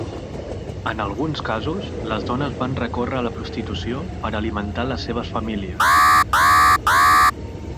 En alguns casos, les dones van recórrer a la prostitució per alimentar les seves famílies.